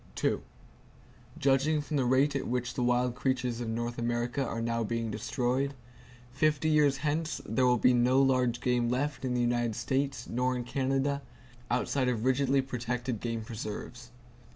Judging from the rate at which the wild creatures of North America are now being destroyed, fifty years hence there will be no large game left in the United States nor in Canada, outside of rigidly protected game preserves.